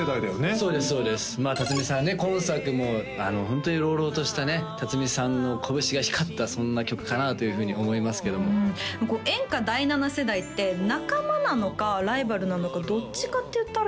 そうですそうです辰巳さんね今作もホントに朗々としたね辰巳さんのこぶしが光ったそんな曲かなというふうに思いますけども演歌第７世代って仲間なのかライバルなのかどっちかっていったら？